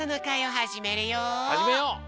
はじめよう！